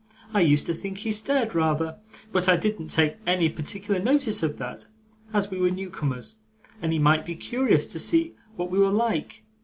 I used to think he stared rather, but I didn't take any particular notice of that, as we were newcomers, and he might be curious to see what we were like.